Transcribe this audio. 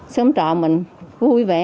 sống trọ mình vui vẻ